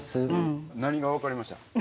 何が分かりました？